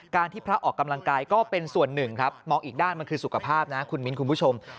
ที่พระออกกำลังกายก็เป็นส่วนหนึ่งครับมองอีกด้านมันคือสุขภาพนะคุณมิ้นคุณผู้ชม